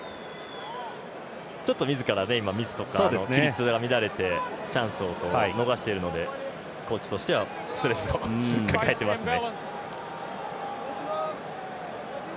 今、みずからミスとか規律が乱れてチャンスを逃しているのでコーチとしてはストレスを抱えてますね。